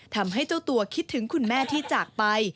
ทำให้เจ้าตัวคิดถึงคุณแม่ที่จากไป